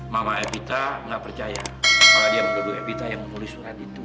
mama evita gak percaya bahwa dia menduduk evita yang menulis surat itu